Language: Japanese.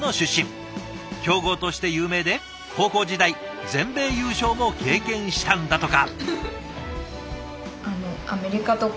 強豪として有名で高校時代全米優勝も経験したんだとか。